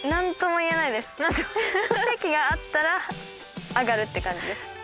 奇跡があったら上がるって感じです。